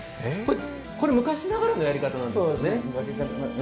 これ、昔ながらのやり方なんですよね。